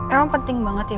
emang penting banget ya